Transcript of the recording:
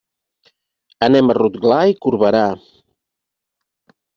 Anem a Rotglà i Corberà.